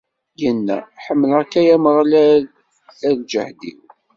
Inna: Ḥemmleɣ-k, ay Ameɣlal, a lǧehd-iw!